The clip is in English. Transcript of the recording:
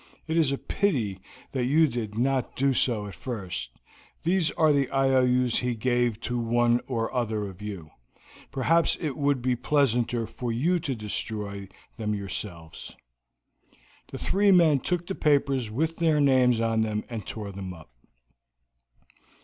"It is a pity that you did not do so at first. These are the IOUs he gave to one or other of you. Perhaps it would be pleasanter for you to destroy them yourselves." The three men took the papers with their names on them and tore them up.